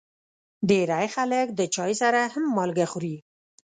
ډېری خلک د چای سره هم مالګه خوري.